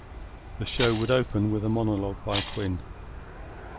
The show would open with a monologue by Quinn.